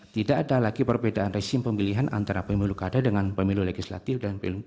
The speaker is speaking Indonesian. tidak ada lagi perbedaan resim pemilihan antara pemilu kada dengan pemilu legislatif dan pemilu